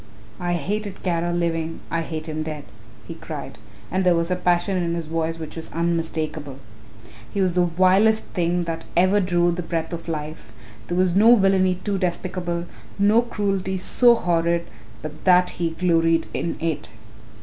I hated Kara living, I hate him dead," he cried, and there was a passion in his voice which was unmistakable; "he was the vilest thing that ever drew the breath of life. There was no villainy too despicable, no cruelty so horrid but that he gloried in it.